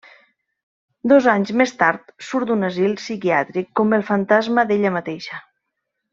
Dos anys més tard, surt d'un asil psiquiàtric com el fantasma d'ella mateixa.